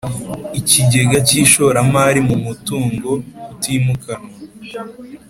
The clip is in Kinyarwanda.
Ikigega cy ishoramari mu mutungo utimukanwa